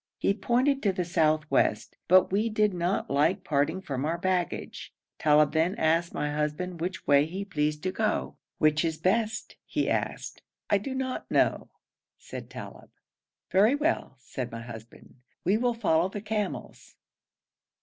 He pointed to the south west, but we did not like parting from our baggage. Talib then asked my husband which way he pleased to go. 'Which is the best?' he asked. 'I do not know,' said Talib. 'Very well,' said my husband, 'we will follow the camels.'